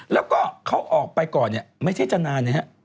แล้วก็เขาออกไปก่อนเนี่ยไม่ใช่จะนานนะครับ